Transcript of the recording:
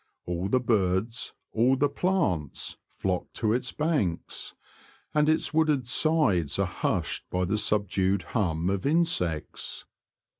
All the birds, all the plants, flock to its banks, and its wooded sides are hushed by the subdued hum of insects.